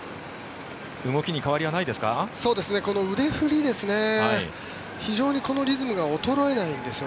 動きに変わりはないですか？